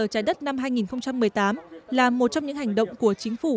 chiến dịch giờ trái đất năm hai nghìn một mươi tám là một trong những hành động của chính phủ